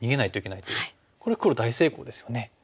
これ黒大成功ですよね。